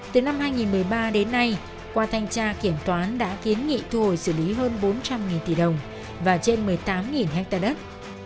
từ năm hai nghìn một mươi ba đến nay qua thanh tra kiểm toán đã kiến nghị thu hồi xử lý hơn bốn trăm linh tỷ đồng và trên một mươi tám ha đất